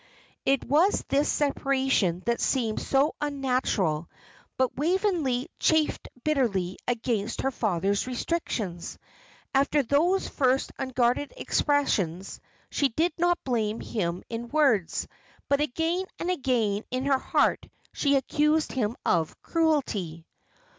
It was this separation that seemed so unnatural, and Waveney chafed bitterly against her father's restrictions. After those first unguarded expressions she did not blame him in words, but again and again in her heart she accused him of cruelty.